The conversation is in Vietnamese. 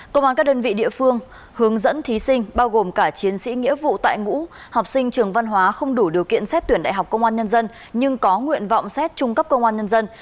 công an các đơn vị địa phương hướng dẫn thí sinh bao gồm cả chiến sĩ nghĩa vụ tại ngũ học sinh trường văn hóa không đủ điều kiện xét tuyển đại học công an nhân dân nhưng có nguyện vọng xét trung cấp công an nhân dân